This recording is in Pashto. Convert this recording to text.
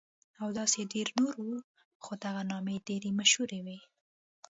او داسې ډېر نور وو، خو دغه نامې ډېرې مشهورې وې.